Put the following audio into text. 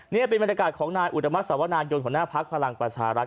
นี่เป็นบรรยากาศของนายอุตมัติสวนายนหัวหน้าพักพลังประชารัฐ